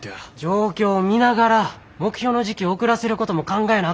状況見ながら目標の時期を遅らせることも考えなあ